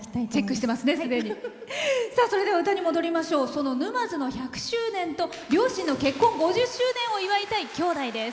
その沼津の１００周年と両親の結婚５０周年を祝いたい兄弟です。